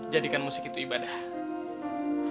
jadikan musik itu ibadah